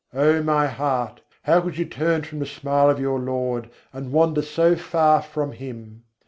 Oh my heart, how could you turn from the smile of your Lord and wander so far from Him?